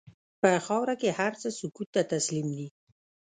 په خاوره کې هر څه سکوت ته تسلیم دي.